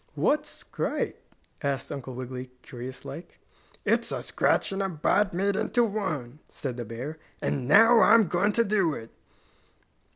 "What's scrite?" asked Uncle Wiggily, curious like. "It's a scratch and a bite made into one," said the bear, "and now I'm going to do it."